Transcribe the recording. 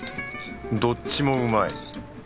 どっちもうまい。